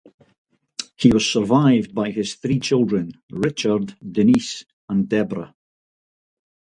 He was survived by his three children, Richard, Denise and Debra.